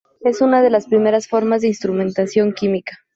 Es una de las primeras formas de instrumentación química.